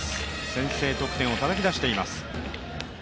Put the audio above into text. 先制得点をたたき出しています。